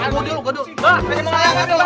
aduh aduh aduh